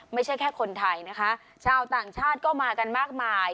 ไม่ใช่แค่คนไทยนะคะชาวต่างชาติก็มากันมากมาย